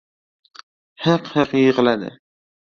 Hiq-hiq yig‘ladi...